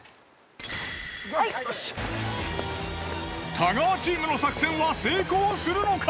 太川チームの作戦は成功するのか！？